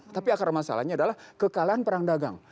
tapi akar masalahnya adalah kekalahan perang dagang